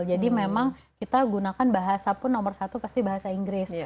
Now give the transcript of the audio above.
jadi memang kita gunakan bahasa pun nomor satu pasti bahasa inggris